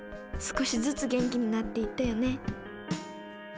少しずつ元気になっていったよね。